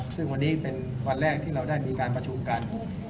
ซึ่งวันนี้เป็นวันแรกที่เราได้มีการประชุมกัน